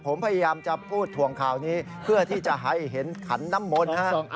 ผมพยายามจะพูดถ่วงข่าวนี้เพื่อที่จะให้เห็นขันน้ำมนต์ฮะ